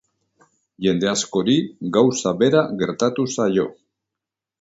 Jende askori gauza bera gertatu zaio.